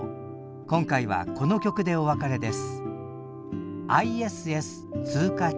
今回はこの曲でお別れです。